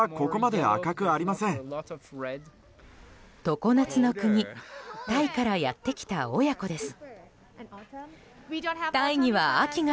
常夏の国タイからやってきた親子です。